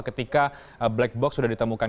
ketika black box sudah ditemukan